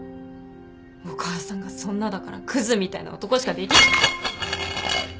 お母さんがそんなだからくずみたいな男しかでき。